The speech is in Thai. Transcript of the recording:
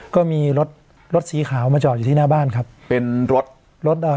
ก็มีรถรถสีขาวมาจอดอยู่ที่หน้าบ้านครับเป็นรถรถอ่า